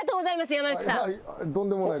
山内さん。